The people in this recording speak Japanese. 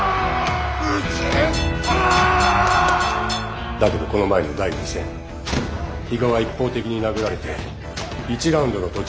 宇宙パワー！だけどこの前の第２戦比嘉は一方的に殴られて１ラウンドの途中で。